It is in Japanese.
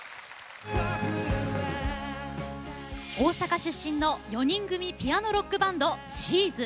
大阪出身の４人組ピアノロックバンド、ＳＨＥ’Ｓ。